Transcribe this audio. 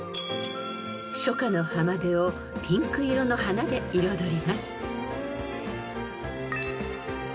［初夏の浜辺をピンク色の花で彩ります］